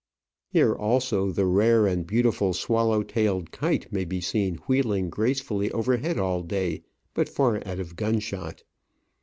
Here also the rare and beautiful Swallow tailed Kite may be seen wheeling gracefully overhead all day, but far out of gun shot.